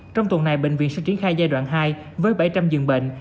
trong tuần này bệnh viện sẽ triển khai giai đoạn hai với bảy trăm linh giường bệnh